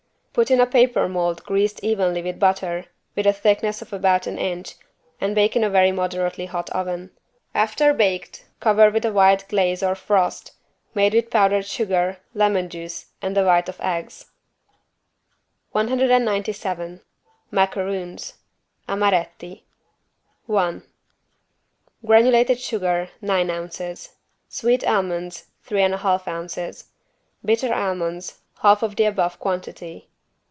Put in a paper mold greased evenly with butter, with a thickness of about an inch and bake in a very moderately hot oven. After baked, cover with a white glaze or frost, made with powdered sugar, lemon juice and the white of eggs. 197 MACAROONS (Amaretti) I Granulated sugar, nine ounces. Sweet almonds, three and a half ounces. Bitter almonds, half of the above quantity.